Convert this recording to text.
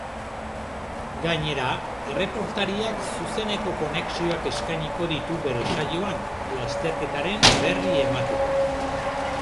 Gainera, erreportariak zuzeneko konexioak eskainiko ditu bere saioan, lasterketaren berri emateko.